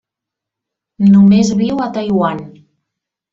Només viu a Taiwan.